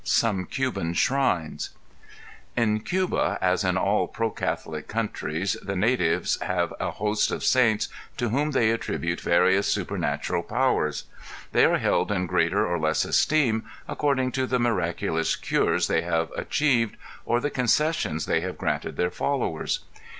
SOME CUBAN SHRINES In Cuba as in all pro Catholic countries the natives have a host of saints to whom they attribute various supernatural powers; they are held in greater or less esteem according to the miraculous cures they have achieved or the concessions they have granted their followers.